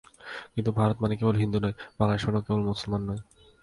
কিন্তু ভারত মানেই কেবল হিন্দু নয়, বাংলাদেশ মানেই কেবল মুসলমান নয়।